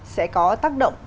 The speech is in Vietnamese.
sẽ có tác động